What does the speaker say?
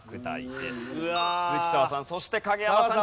鈴木砂羽さんそして影山さん